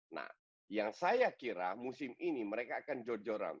nah yang saya kira musim ini mereka akan jor joran